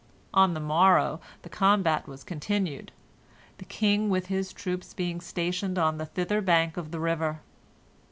On the morrow the combat was continued, the king with his troops being stationed on the thither bank of the river.